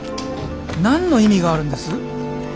何の意味があるんです？